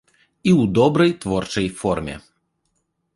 І ў добрай творчай форме.